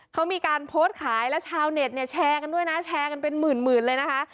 เขามีการโพสต์ขายแล้วชาวเน็ตเนี่ยแชร์กันด้วยนะแชร์กันเป็นหมื่นเลยนะคะ